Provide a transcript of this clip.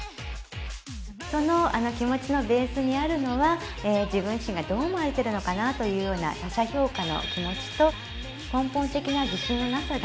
その気持ちのベースにあるのは自分自身がどう思われてるのかなというような他者評価の気持ちと根本的な自信のなさが混在しています。